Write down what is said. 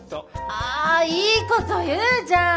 あいいこと言うじゃん。